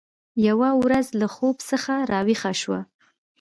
یوه ورځ له خوب څخه راویښه شوه